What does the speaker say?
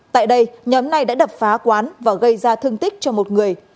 tại đây nhóm này đã đập phá quán và gây ra thương tích cho một người